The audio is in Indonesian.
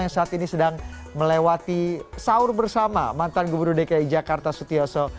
yang saat ini sedang melewati sahur bersama mantan gubernur dki jakarta sutioso